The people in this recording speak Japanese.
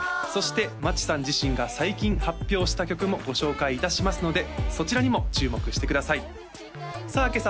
そして町さん自身が最近発表した曲もご紹介いたしますのでそちらにも注目してくださいさあ